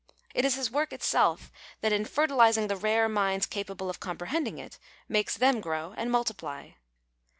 It is his work itself that in fertilizing the rare minds capable of comprehending it makes them grow and nudtiply.